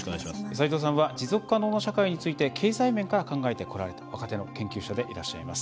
斎藤さんは持続可能な社会について経済面から考えてこられた若手の研究者でいらっしゃいます。